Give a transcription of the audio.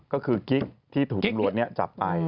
ก็คือกิ๊กที่ถูกตำรวจจับไป